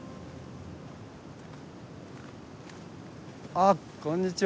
あこんにちは。